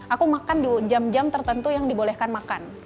aku makan di jam jam tertentu yang dibolehkan makan